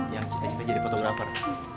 yang kita jadi fotografer